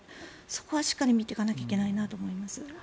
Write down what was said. そこはしっかり見ていかないといけないと思います。